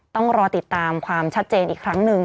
ต้องรอติดตามความชัดเจนอีกครั้งหนึ่ง